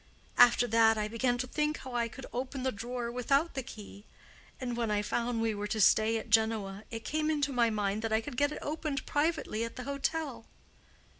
After that I began to think how I could open the drawer without the key: and when I found we were to stay at Genoa, it came into my mind that I could get it opened privately at the hotel.